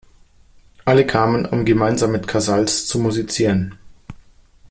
Alle kamen, um gemeinsam mit Casals zu musizieren.